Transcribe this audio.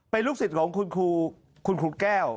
เป็นลูกศิษย์ของคุณครูแก้ว